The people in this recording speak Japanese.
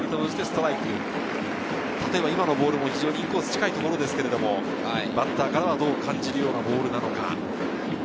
例えば今のボールもインコースに近いところですけれども、バッターからはどう感じるようなボールなのか。